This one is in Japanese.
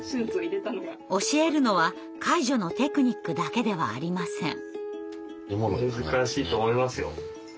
教えるのは介助のテクニックだけではありません。